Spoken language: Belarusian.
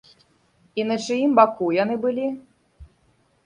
І на чыім баку яны былі?